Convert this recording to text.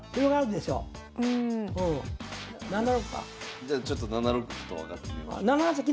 じゃあちょっと７六歩と上がってみます。